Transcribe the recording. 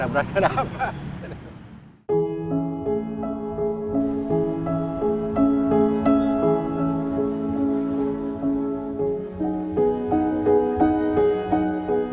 saya merasa tidak ada perasaan apa